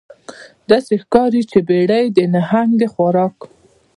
داسې ښکاري چې بیړۍ د نهنګ د خوراک